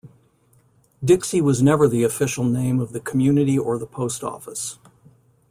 Dixie was never the official name of the community or the post office.